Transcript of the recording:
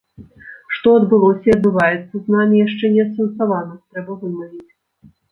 Што адбылося і адбываецца з намі яшчэ не асэнсавана, трэба вымавіць.